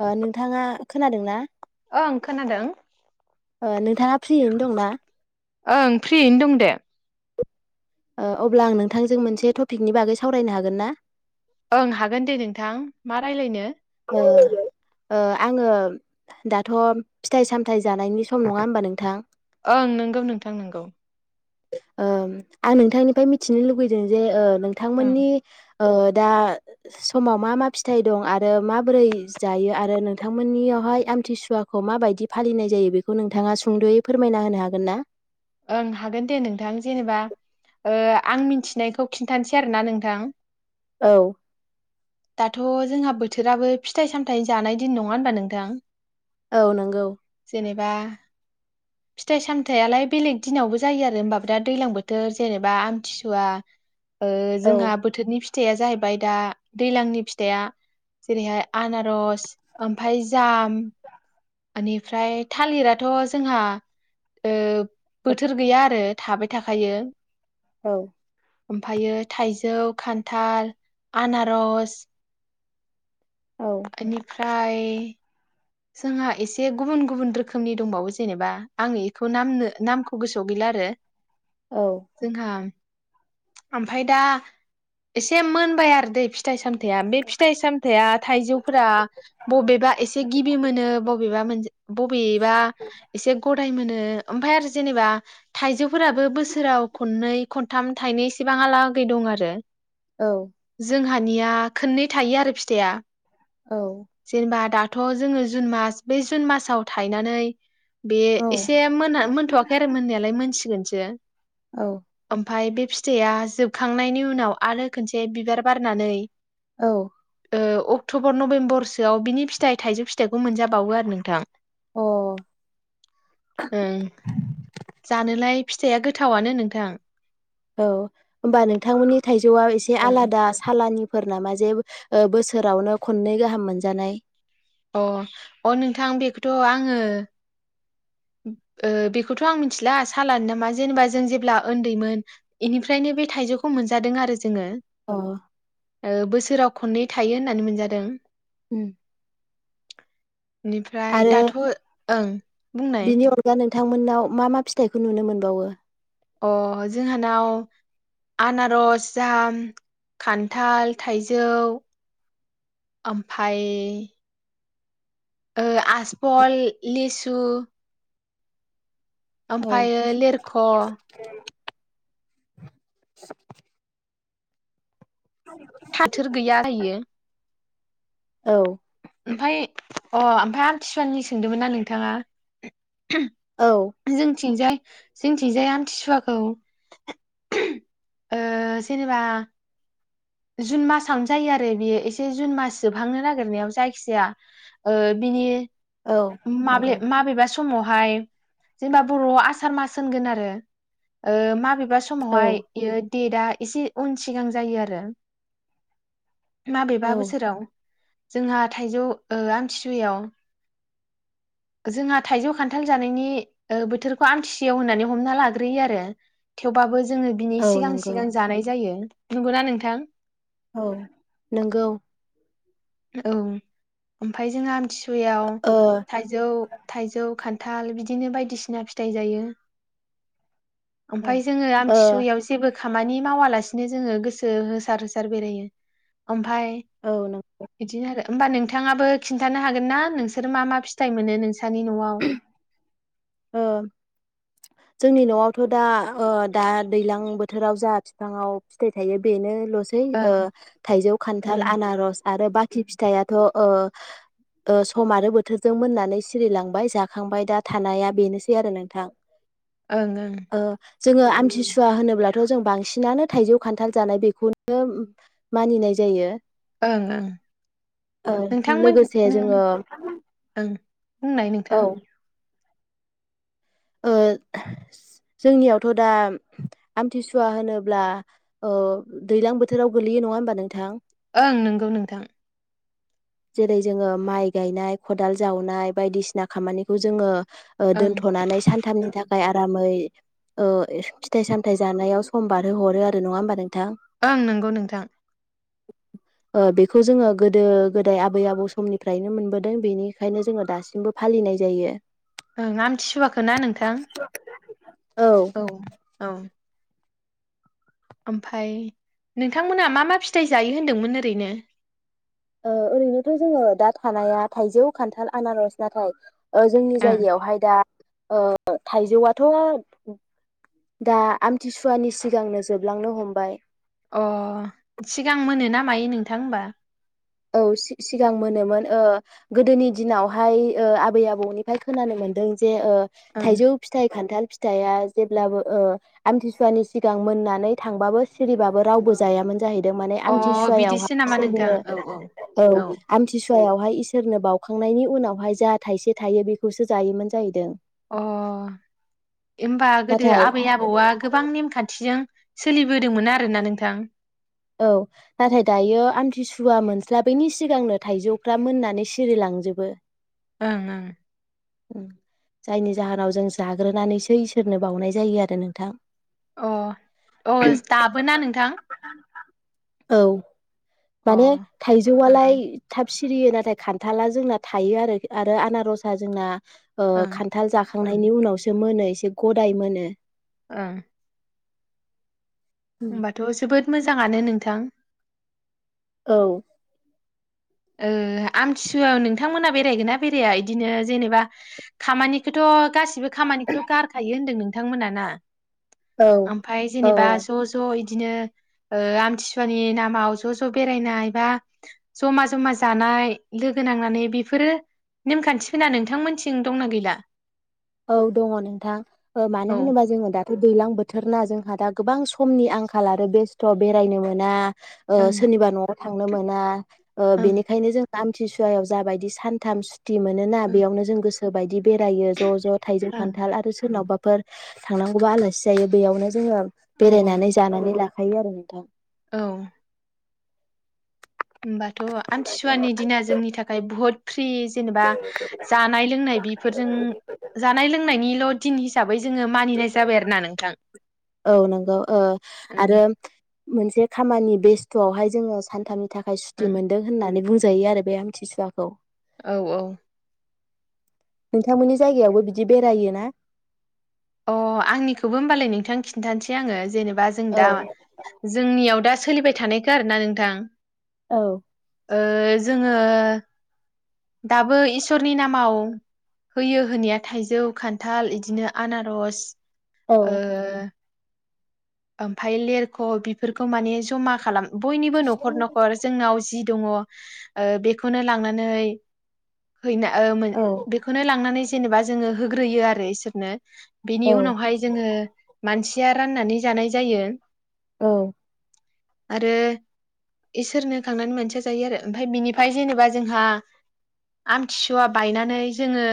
ओ नोंथाङा खोनादों ना ओं खोनादों ओ नोंथाङा फ्रियैनो दंना ओं फ्रियैनो दं दे ओ अब्ला आं नोंथांजों मोनसे टपिकनि बागै सावरायनो हागोन ना ओं हागोन दे नोंथां मा रायलायनो [unintelligible] ओ आङो दाथ' फिथाइ सामथायाइ जानायनि सम नङा होमबा नोंथां ओं नोंगौ नोंथां नंगौ ओ आं नोंथांनिफ्राय मिथिनो लुुबैदों जे ओ ओं। नोंथांमोननि ओ दा समाव मा मा फिथाइ दं आरो माबोरै जायो आरो नोंथांमोननियावहाय आमथिसुवाखौ माबायदि फालिनाय जायो बेखौ नोंथाङा सुंदयै फोरमायना होनो हागोन ना ओं हागोन दे नोंथां जेनेबा ओ आं मिनथिनायखौ खिन्थानोसै आरोना नोंथां औ दाथ' जोंहा बोथोराबो फिथाइ सामथाइ जानाय दिन नङा होनबा नोंथां औ नंगौ जेनेबा फिथाइ सामथायालाय बेलेग दिनावबो जायो आरो होनबादा दैलां बोथोर जेनेबा आमथिसुवा ओ औ जोंहा बोथोरनि फि फिथाइया जाहैबाय दा दैज्लांनि फिथाइया जेरैहाय आनारस ओमफाय जाम ओनिफ्राय थालिराथ' जोंहा ओ बोथोर गैया आरो थाबाय थाखायो औ ओमफायो थाइजौ खान्थाल आनारस औ ओनिफा फाय जोंहा एसे गुबुन गुबुन रोखोमनि दंबावो जेनेबा आङो एखौ नामनो नामखौ गोसोआव गैला आरो जोंहा ओमफाय दा एसे मोनबाय आरो दै फिथाइ सामथायाइया बे फिथाइ साम थाइआ थाइजौफोरा बबेबा एसे नो बबेबा मोन बबेबा एसे गदाय मोनो ओ ओमफाय आरो जेनेबा थाइजौफोराबो बोसोराव खननै खनथाम थाइनै इसेबां आलागै दं आरो। औ हानिया खननै थायो आरो फिथाइया औ जेनेबा दा थ जो जुन मास बे जुन मासाव थायनानै बे औ एसे मोना मोनथवाखै आरो मोननायालाय मोनसिगोन सो औ ओमफाय बे फिथाइआ जोबखांनायनि उनाव आरो खोनसे बिबार बारनानै औ ओ अक्टबर नभेम्बरसो आव बिनि फिथाइ थाइजौ फिथाइखौ मोनजाबावो आरो नोंथां। अ ओं जानोलाय फिथाइआ गोथावानो नोंथां औ होमबा नोंथांमोननि थाइ जौ आ एसे ओं आलादा सालानि फोर नामा जे ओ बोसोरावनो खननै गाहाम मोनजानाय? अ अ नोंथां बेखौथ आङो ओ बेखौथ आं मिथिला साालानो नामा जेनेबा जों जेब्ला उन्दैमोन बेनिफ्रायनो बे थाइजौखौ मोनजादों आरो जोङो। औ ओ बोसोराव खननै थायो होननानै मोनजादों। उम बेनिफ्राय आरो दाथ ओं बुंनाय बिनि अनगान नोंथांमोननाव मा मा फिथाइखौ नुनो मोनबावो? अ जोंहानाव आनारस जाम खान्थाल थाइजौ ओमफाय ओ आजफल, लिसु औ ओमफायो लेरख [inaudible] फाथोर गैया [unintelligible] औ ओमफाय अ ओमफाय आमथिसुवानि सोंदोंमोन ना नोंथाङा? औ जोंथिंजाय जोथिंजाया आमथिसुवाखौ ओ जेनेबा जुन मासावनो जायो आरो बेयो एसे जुन मास जोबहांनो नागिरनायाव जायखिजाया ओ बिनि औ माब्ले नंगौ माबेबा समावहाय जेनेबा बरआव आसार मास होनगोन आरो ओ माबे बिबा औ समावहाय बेयो देता एसे उन सिगां जायो आरो । माबेबा औ बोसोराव जोंहा थाइजौ ओ आमथिसुवायाव जोंहा थाइजौ खान्थाल जानायनि ओ बोथोरखौ आमथिसुयाव होननानै हमना लाग्रोयो आरो थेवबाबो जोङो बिनि औ सिगां नंगौ सिगां जानाय जायो। नंगौना नोंथां? औ नोंगौ। औ ओमफ्राय जोंहा आमथि वायाव ओ थाइजौ थाइजौ खान खान्थाल बिदिनो बायदिसिना फिथाइ जायो । औ ओमफ्राय जोङो ओ आमथिसुवायाव जेबो खामानि मावालासिनो जोङो गोसो होसार होसार बेरायो [unintelligible] ओमफ्राय औ नों बिदिनो आरो होमबा नोंथाङाबो खिन्थानो हागोन ना नोंसोर मा मा फिथाइ मोनो नों [unintelligible] सानि नवाव ओ जोंनि नवावथ दा ओ दा दैलां बोथोराव जा बिफा‌ंआव फिथाइ थायो बेनो ल । सै ओं ओ थाइजौ खान्थाल ओं आनारस आरो बा खि फिथाइआथ ओ ओ सम आरो बोथोरजों मोननानै सिरिलांबाय। जाखांबाय दा थानाया बेनोसै आरो नोंथां। ओं ओं ओ जोङो आमथिसुवा होनोब्लाथ जों बांसिनानो थाइजौ खान्थाल जानाय बेखौनो मानिनाय जायो। ओं ओं ओ नोंथांमोन लोगोसे नो जोङो ओं । बुंनाय औ नोंथां ओ जोंनियावथ दा आमथिसुवा होनोब्ला ओ दैज्लां बोथोराव गोगलैयो नङा होमबा नोंथां? ओं नंगौ नोंथां । जेरै जोङो माइ गायनाय खदाल जावनाय बायदिसिना खामानिखौ जोङो ओं दोन्थनानै सानथामनि था आरामै ओ फिथाइ सामथाय जानायाव सम बारहो हरो आरो नङा होमबा नों? ओं नंगौ नोंथां। ओ बेखौ जोङो गोदो गोदाय आबै आबौ समनिफ्रायनो मोनबोदों बेनिखायनो जोङो दासिमबो फालिनाय जायो‌। ओं आमथिसुवाखो ना नोंथां। औ औ ओमफाय नोंथांमोना मा मा फिथाइ जायो होनदोंमोन ओरैनो? ओ ओरैनोथ जोङो दा थानाया थाइजौ, खान्थाल, आनारस नाथाय ओ जोंनि जायगायावहाय दा ओ थाइजौआथ दा आमथिसुवानि सिगांनो जोबलांनो हमबाय। अ सिगां मोनोना मायो नोंथां होमबा? औ सि-सिगां मोनोमोन ओ गोदोनि दिनावहाय ओ आबै आबौनिफ्राय खोनानो मोनदों जे ओ ओं थाइजौ फिथाइ खान्थाल फिथाइआ जेब्लाबो ओ आमथिसुवानि सिगां मोननानै थांबाबो सिरिबाबो रावबो जायामोन जाहैदों माने अ बिदिसो आमथिसुवायावहाय नामा नोंथां सोरनो औ औ आमथिसुवायावहाय इसोरनो बावखांनायनि उनावहाय जा थाइसे थायो बेखौसो जायोमोन जाहैदों। अ ओमबा गोदो नाथाय आबै आबौआ गोबां नेमखान्थिजों सोलिबोदोंमोन आरोना नोंथां। औ नाथाय दायो आमथिसुवा मोनस्लाबैनि सिगांनो थाइजौफ्रा मोननानै सिरिलांजोबो। ओं ओं जायनि जाहोनाव जों जाग्रोनानैसै इसोरनो बावनाय जायो आरो नोंथां। अ अ दाबोना नोंथां औ अ माने ओं ओं थाइजौआलाय थाब सिरियो नाथाय खान्थाला जोंना थायो आरो आरो आनारसआ जोंना ओ ओं खान्थाल जा खांनायनि उनावसो मोनो इसे गदाय मोनो। ओं होमबाथ जोबोद मोजाङानो नोंथां। औ ओ आमथिसुवायाव नोंथांमोना बेरायगोना बेराया इदिनो जेनेबा खामानिखौथ गासिबो खामानिखौथ' गारखायो होनदों नों थांमोना ना औ ओमफाय जेनेबा ओ ज ज इदिनो ओ आमथिसुवानि नामाव ज ज बेरायनाय बा जमा जमा जानाय लोगो नांनानै बेफोरो नेमखान्थि फोरा नोंथांमोनथिं दंना गैला? औ दङ नोंथां ओ मानो औ होनोबा जोङो दाथ दैलां बोथोरना जों हा दा गोबां समनि आंखाल आरो बेस्थ बेरायनो मोना ओ ओं सोरनिबा नआव थांनो मोना ओ ओं बेनिखायनो जों आमथिसुवायाव जाबायदि सानथाम थि मोनना ओं बेयावनो जों गोसो गोबायदि बेरायो ज ज थाइजौ ओं खान्थाल आरो सोरनावबा फोर थांनांगौबा आलासि जायो बेयावनो जोङो औ बेरायनानै जानानै ला थाइयो आरो नोंथां औ होमबाथ आमथिसुवानि दिना जोंनि थाखाय बुहुत फ्रि जेनेबा जानाय लोंनाय बेफोरजों जानाय लोंनायनिल थिं हिसाब [inaudible] औ नंगौ ओ आरो मोनसे खामानि बेस्थआवहाय जोङो सानथामनि नि थाखाय सुटि मोनदों होननानै बुंजा जायो आरो बे आमथिसुवाखौ औ औ नोंथांमोननि जायगायावबो बिदि बेरायो ना अ आंनिखौबो होमबालाय नोंथां खिन्थानसै आङो जेनेबा बा जों औ दा जोंनि आव दा सोलिबाय थानायखौ आरोना नोंथां औ ओ जोङो दाबो इसोरनि नामाव होयो होनाया थाइजौ खान्थाल इदिनो आनारस औ ओ ओमफाय लेरख बेफोरखौ माने जमा खालाम बयनिबो नखर नखर जोंनाव जि दङ ओ बेखौनो लांनानै हैना ओ मोन औ बेखौनो लांनानै सो जेनेबा जोङो होग्रोयो आरो इसोरनो बिनि औ उनावहाय जोङो मानसि [unintelligible] राननानै जानाय जायो। औ आरो इसोरनो खांनानै मोनसेया जायो आरो ओमफ्राय बिनिफ्राय जेनेबा जोंहा आमथिसुवा बायनानै जोङो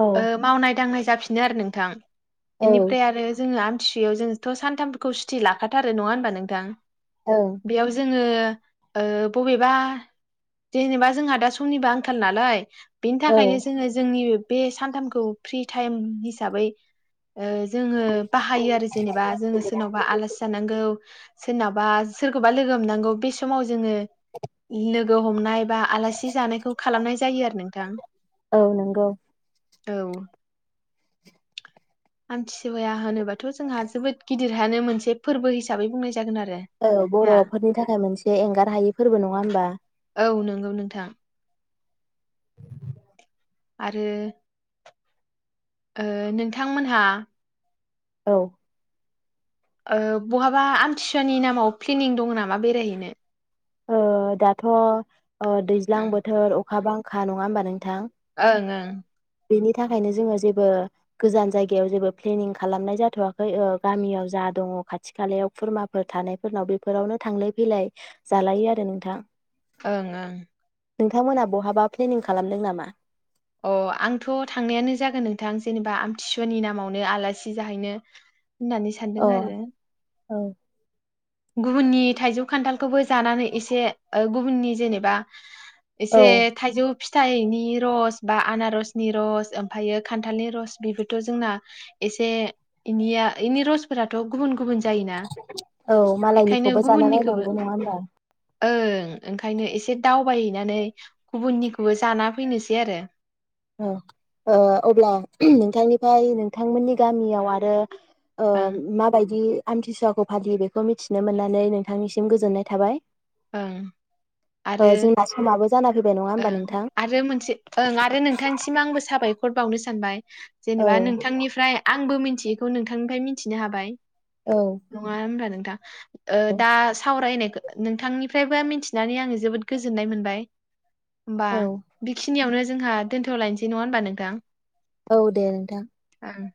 औ ओ मावनाय दांनाय जाफिनो आरो नोंथां। ओं बेनिफ्राय आरो जोंना बेयाव जोंथ' सानथामफोरखौ सुथि लाखाथारो नङा होनबा नोंथां? बेयाव जोङो ओ बबेबा जेनेबा जोंहा दा समनिबो आंखाल नालाय बेनि औ थाखायनो जोङो जोंनि बे सानथामखौ फ्रि टाइम हिसाबै ओ जोङो बाहायो आरो जेनबा जोङो सोरनावबा आलासि जानांगो सोरनाबा सोरखौबा लोगो हमनांगौ बे समाव जोङो लोगो हमनाय बा आलासि जानायखौ खालामनाय जायो आरो नोंथां। औ नंगौ औ आमथिसुवाया होनोबाथ' जोंहा जोबोद गिदिरहानो मोनसे फोरबो हिसाबै बुंनाय जागोन आरो औ बर' ना फोरनि थाखाय मोनसे एंगार हायि फोरबो नङा होमबा? औ नंगौ नोंथां। आरो ओ नोंथांमोनहा औ। ओ बहाबा आमथिसुवानि नामाव प्लेनिं दं नामा बेरायहैनो? ओ दाथ' ओ दैज्लां बोथोर अखा बांखा नङा होमबा नोंथां? ओं ओं बेनि थाखायनो जोङो जेबो गोजान जायगायाव जेबो प्लेनिं खालामनाय जाथ'वाखै गामियाव जा दङ खाथि खालायाव खुरमाफोर थानायफोरनाव बेफोरावनो थांलाय फैलाय जालायो आरो नोंथां। ओं ओं। नोंथांमोनहा बहाबा प्लेनिं खालामदों नामा? अ आंथ' थांनायानो जागोन नोंथां जेनेबा आमथिसुवानि नामावनो आलासि जाहैनो। होननानै सानदों अ आरो। औ। गुबुुननि थाइजौ खान्थाल खौ बो जानानै एसे उननि जेनेबा औ एसे थाइजौ फिथाइनि नि रस बा अनारसनि लर ओमफायो खान्थाल नि रस बिबोथ' जोंना एसे इनिया इनि रसफोराथ' गुबुन गुबुन जायोना। औ बेखायनो मालायनिखौबो जाना गुबुननिखौबो नायनांगौ नङा होमबा। ओं ओंखायनो एसे दावबायहैनानै गुबुननिखौबो जाना फैनोसै आरो। औ अब्ला नोंथांनिफ्राय नोंथांमोननि गामियाव आरो ओ ओं माबायदि आमथिसुवाखौ फालियो बेखौ मिथिनो मोननानै नोंथांनिसिम गोजोननाय थाबाय। ओं ओ आरो जोंना समाबो जाना फैबाय नङा ओं होमबा नोंथां आरो मोनसे ओं आरो नों थांनि सिम आंबो साबाय खर बावनो सानबाय। औ जेनेबा नोंथांनिफ्राय आं आंबो मिथियैखौ नोंथांनिफ्राय मिथिनो हाबाय। औ नङा होनबा नों दा ओ दा सावरायनाय नों नोंथांनिफ्रायबो मिथिनानै आङो जोबोद गोजोननाय मोनबाय। होमबा औ बेखिनियावनो जोंहा दोन्थलायनोसै नङा होनबा नोंथां। औ दे नोंथां। उम